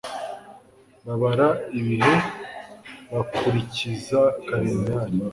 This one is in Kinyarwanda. babara ibihe bakurikiza Karendari.